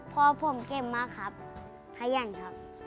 พ่อพร้อมเก่งมากครับพยายามครับ